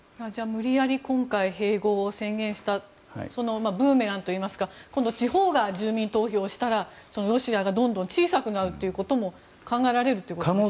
無理やり今回併合を宣言したブーメランといいますか今度は地方が住民投票したらロシアがどんどん小さくなるということも考えられるってことですね。